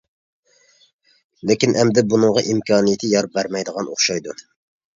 لېكىن، ئەمدى بۇنىڭغا ئىمكانىيىتى يار بەرمەيدىغان ئوخشايدۇ.